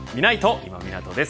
今湊です。